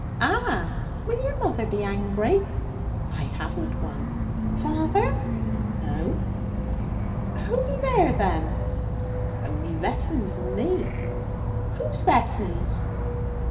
'Ah! Will your mother be angry?' 'I haven't one.' 'Father?' 'No.' 'Who be there, then?' 'Only Vessons and me.' 'Who's Vessons?'